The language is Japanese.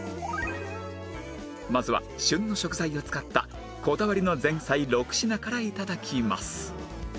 まずは旬の食材を使ったこだわりの前菜６品から頂きます